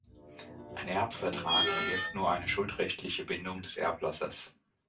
Ein Erbvertrag bewirkt nur eine schuldrechtliche Bindung des Erblassers.